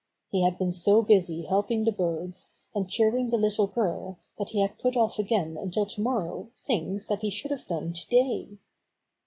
He had been so busy helping the birds, and cheering the little girl that he had put off again until tomorrow things that he should have done today.